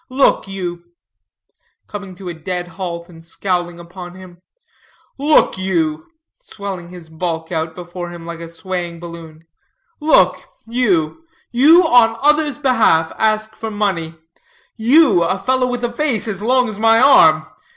"Look, you," coming to a dead halt, and scowling upon him. "Look, you," swelling his bulk out before him like a swaying balloon, "look, you, you on others' behalf ask for money; you, a fellow with a face as long as my arm.